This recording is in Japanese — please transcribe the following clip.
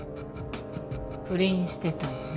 不倫してたのね。